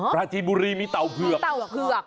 ปราจีนบุรีมีเต่าเผือก